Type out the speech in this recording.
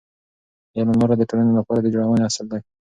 د علم لاره د ټولنې لپاره د جوړونې اصل دی.